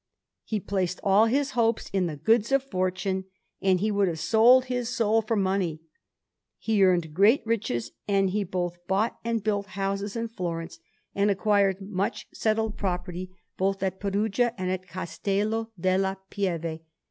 He placed all his hopes in the goods of fortune, and he would have sold his soul for money. He earned great riches; and he both bought and built houses in Florence, and acquired much settled property both at Perugia and at Castello della Pieve.